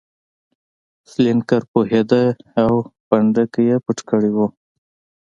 سینکلر پوهېده او پنډکی یې پټ کړی و.